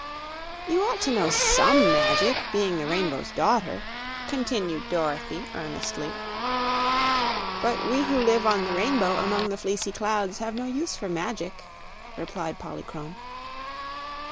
"You ought to know SOME magic, being the Rainbow's Daughter," continued Dorothy, earnestly. "But we who live on the rainbow among the fleecy clouds have no use for magic," replied Polychrome.